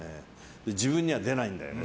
自分には出ないんだよね